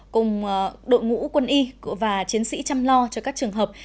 cùng đội ngũ quân y và chiến sĩ chăm lo cho các trường hợp